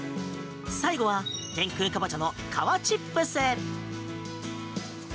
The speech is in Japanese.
最後は天空かぼちゃの皮チップス。